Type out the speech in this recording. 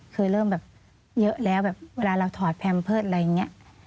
เคยเริ่มแบบเยอะแล้วแบบเวลาเราถอดแพมเพิร์ตอะไรอย่างนี้